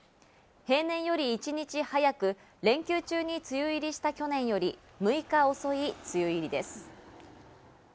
平年より１日早く、連休中に梅雨入りした去年より６日遅い梅雨入りです。